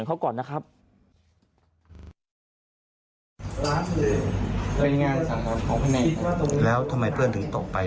เจ้าที่ล้างประตูมาได้ยินเสียงไหม